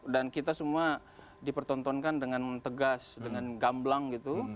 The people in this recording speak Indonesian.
dan kita semua dipertontonkan dengan tegas dengan gamblang gitu